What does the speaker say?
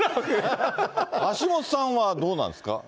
橋下さんはどうなんですか。